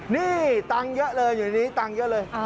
นี่ตังค์เยอะเลยอยู่ในนี้ตังค์เยอะเลย